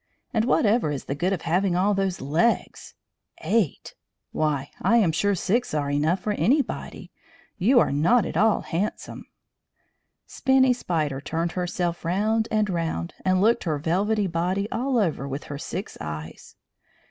"And whatever is the good of having all those legs? Eight! Why, I am sure six are enough for anybody. You are not at all handsome." Spinny Spider turned herself round and round, and looked her velvety body all over with her six eyes.